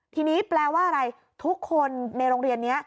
ทีนี้แปลว่าอะไรทุกคนในโรงเรียนนี้